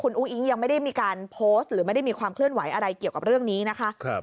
อุ้งอิ๊งยังไม่ได้มีการโพสต์หรือไม่ได้มีความเคลื่อนไหวอะไรเกี่ยวกับเรื่องนี้นะคะ